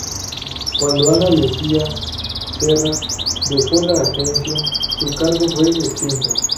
Cuando Ana Lúcia Serra dejó la Agencia, su cargo fue extinto.